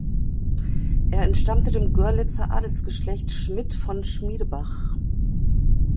Er entstammte dem Görlitzer Adelsgeschlecht Schmidt von Schmiedebach.